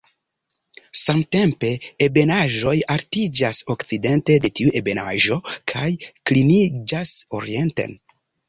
Samtempe, ebenaĵoj altiĝas okcidente de tiu ebenaĵo, kaj kliniĝas orienten.